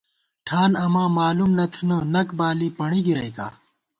ٹھان اماں مالُوم نہ تھنہ ، نَک بالی ، پݨی گِرَئیکا